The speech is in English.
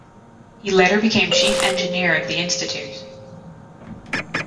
He later became chief engineer of the institute.